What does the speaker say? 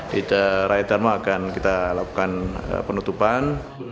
di raya dharma akan kita lakukan penutupan